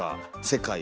世界？